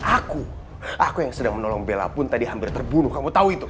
aku aku yang sedang menolong bella pun tadi hampir terbunuh kamu tahu itu